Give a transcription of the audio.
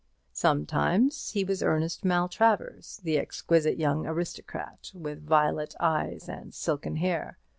Sometimes he was Ernest Maltravers, the exquisite young aristocrat, with violet eyes and silken hair.